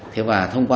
thế và thông qua